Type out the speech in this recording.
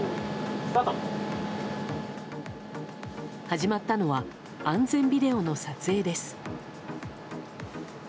始まったのは安全ビデオの撮影です。